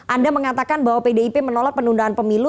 anda mengatakan bahwa pdip menolak penundaan pemilu